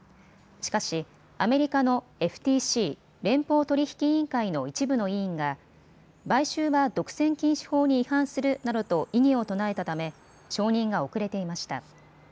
しかし、アメリカのＦＴＣ・連邦取引委員会の一部の委員が買収は独占禁止法に違反するなどと異議を唱えたため承認が遅れていました。